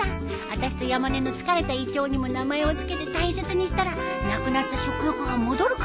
あたしと山根の疲れた胃腸にも名前を付けて大切にしたらなくなった食欲が戻るかな？